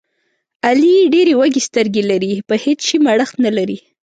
علي ډېرې وږې سترګې لري، په هېڅ شي مړښت نه لري.